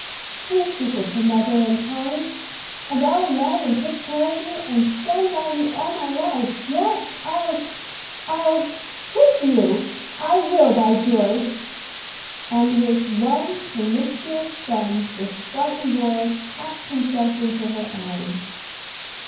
Please be good to Mother and Polly, and I'll love and take care of you, and stand by you all my life. Yes, I'll I'll kiss you, I will, by George!" And with one promiscuous plunge the Spartan boy cast himself into her arms.